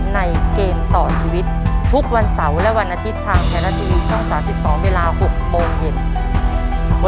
ในเกมต่อชีวิตทุกวันเสาร์วันอาทิตย์ทางแขนบิช่องสามที่สองเวลาหกโปร่งเหย็น